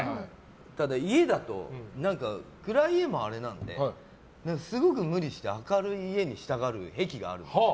ただ家だと暗い家もあれなんですごく無理して明るい家にしたがる癖があるんです。